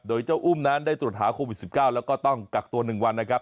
โดยเจ้าอุ้มนั้นได้ตรวจหาโควิด๑๙แล้วก็ต้องกักตัว๑วันนะครับ